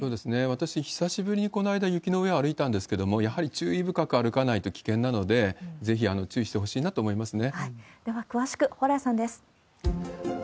私、久しぶりにこの間、雪の上を歩いたんですけれども、やはり注意深く歩かないと危険なので、ぜひ注意してほしいなと思いますね。